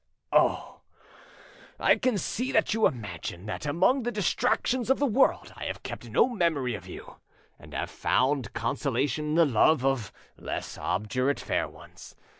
"Oh! I can see that you imagine that among the distractions of the world I have kept no memory of you, and have found consolation in the love of less obdurate fair ones.